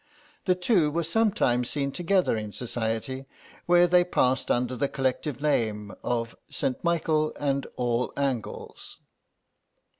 The two were sometimes seen together in Society, where they passed under the collective name of St. Michael and All Angles.